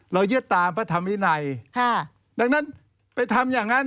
ยึดตามพระธรรมวินัยค่ะดังนั้นไปทำอย่างนั้น